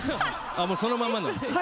そのまんまなんですね。